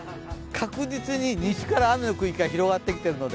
確実に西から雨の区域が近付いてきてるので。